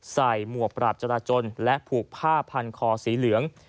หมวกปราบจราจนและผูกผ้าพันคอสีเหลือง